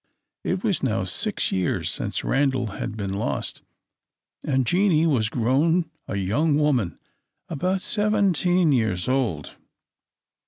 It was now six years since Randal had been lost, and Jeanie was grown a young woman, about seventeen years old.